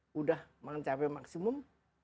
sudah mencapai maksimum